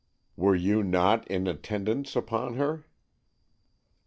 "Were you not in attendance upon her?"